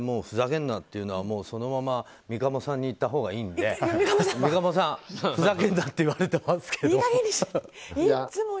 ふざけんなっていうのはそのまま三鴨さんに言ったほうがいいので三鴨さん、ふざけんなって言われてますけど。